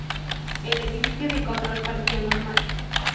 El edificio de control parecía normal.